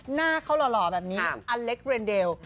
หน้าเขาหล่อแบบนี้อเล็กเรนเดล